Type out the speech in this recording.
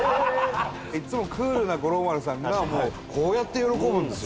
いつもクールな五郎丸さんがこうやって喜ぶんですよ。